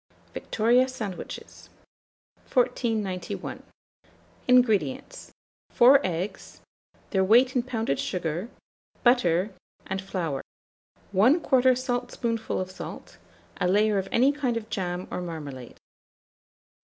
VICTORIA SANDWICHES. 1491. INGREDIENTS. 4 eggs; their weight in pounded sugar, butter, and flour; 1/4 saltspoonful of salt, a layer of any kind of jam or marmalade.